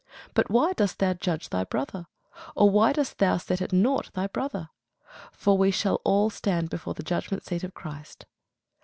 But why dost thou judge thy brother? or why dost thou set at nought thy brother? for we shall all stand before the judgment seat of Christ.